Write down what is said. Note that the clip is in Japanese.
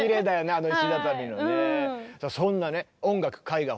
あの石畳のね。